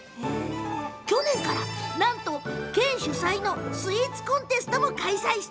去年からは、県主催のスイーツコンテストも開催。